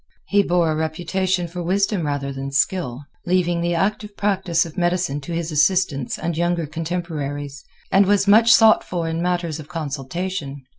He bore a reputation for wisdom rather than skill—leaving the active practice of medicine to his assistants and younger contemporaries—and was much sought for in matters of consultation.